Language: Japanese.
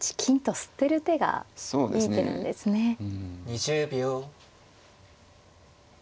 ２０秒。